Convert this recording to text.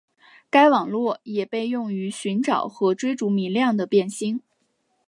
该网络也被用于寻找和追逐明亮的变星。